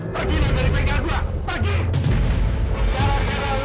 pergilah dari bengkel gua pergi